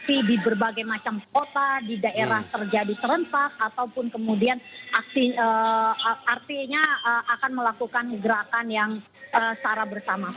aksi di berbagai macam kota di daerah terjadi serentak ataupun kemudian artinya akan melakukan gerakan yang secara bersama